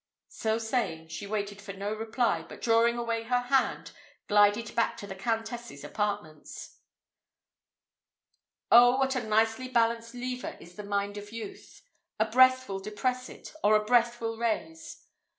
So saying, she waited for no reply, but drawing away her hand, glided back to the Countess's apartments. Oh what a nicely balanced lever is the mind of youth! a breath will depress it, or a breath will raise.